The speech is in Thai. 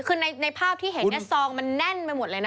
อยู่ในภาพที่เห็นแอศรองมันนั่นไปหมดเลยนะครับ